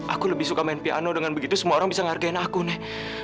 aku lebih suka main piano dengan begitu semua orang bisa ngargain aku nih